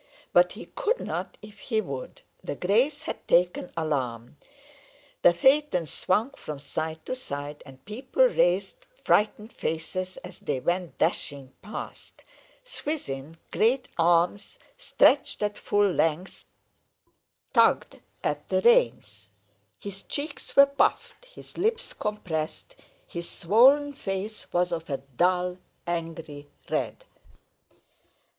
But he could not if he would. The greys had taken alarm. The phaeton swung from side to side, and people raised frightened faces as they went dashing past. Swithin's great arms, stretched at full length, tugged at the reins. His cheeks were puffed, his lips compressed, his swollen face was of a dull, angry red.